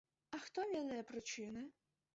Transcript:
А хто ведае прычыны?